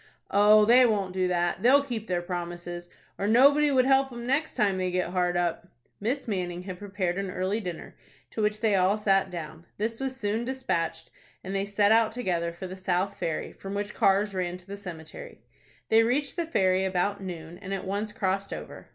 "Oh, they won't do that. They'll keep their promises, or nobody would help 'em next time they get hard up." Miss Manning had prepared an early dinner, to which they all sat down. This was soon despatched, and they set out together for the South Ferry, from which cars ran to the cemetery. They reached the ferry about noon, and at once crossed over.